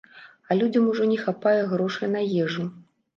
А людзям ужо не хапае грошай на ежу.